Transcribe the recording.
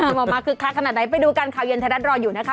ออกมาคึกคักขนาดไหนไปดูกันข่าวเย็นไทยรัฐรออยู่นะคะ